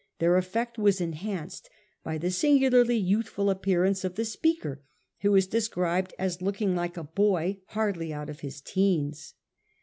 Their effect was en hanced by the singularly youthful appearance of the speaker, who is described as looking like a boy hardly out of his teens.